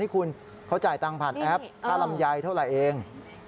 คุณเขาจ่ายตังค์ผ่านแอปค่าลำไยเท่าไหร่เอง